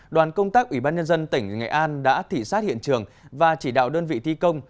đoàn công tác ủy ban nhân dân tỉnh nghệ an đã thị xát hiện trường và chỉ đạo đơn vị thi công